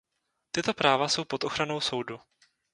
Tyto práva jsou pod ochranou soudu.